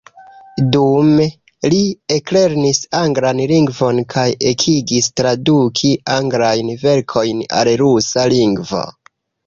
Dume li eklernis anglan lingvon kaj ekigis traduki anglajn verkojn al rusa lingvo.